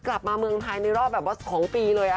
กลับมาเมืองไทยโรบสองปีเลย